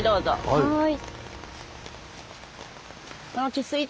はい。